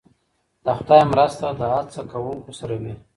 د خدای مرسته د هڅه کوونکو سره وي.